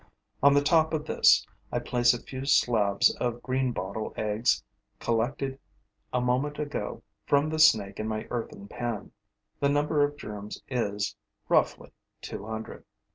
On the top of this, I place a few slabs of greenbottle eggs collected a moment ago from the snake in my earthen pan. The number of germs is, roughly, two hundred.